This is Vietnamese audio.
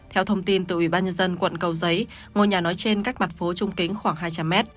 theo thông tin từ ubnd quận cầu giấy ngôi nhà nói trên cách mặt phố trung kính khoảng hai trăm linh m